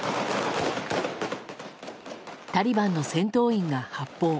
タリバンの戦闘員が発砲。